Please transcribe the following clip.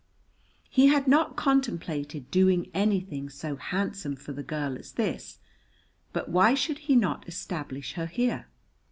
He had not contemplated doing anything so handsome for the girl as this, but why should he not establish her here?